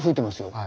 はい。